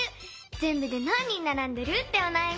ぜんぶでなん人ならんでる？っておなやみ。